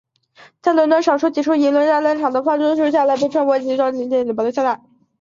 在伦敦的少数几处遗留下来的猎场在伦敦的城市化过程中大多被作为城市绿地保留下来。